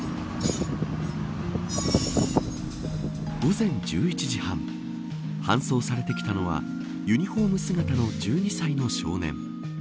午前１１時半搬送されてきたのはユニホーム姿の１２歳の少年。